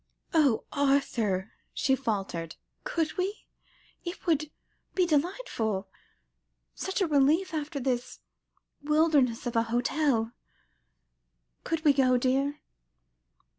"Oh, Arthur!" she faltered. "Could we? It would be delightful; such a relief after this great wilderness of an hotel. Could we go, dear?"